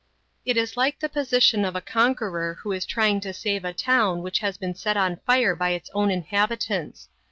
It is like the position of a conqueror who is trying to save a town which has been been set on fire by its own inhabitants.